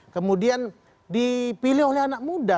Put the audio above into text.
kemudian dipilih oleh anak muda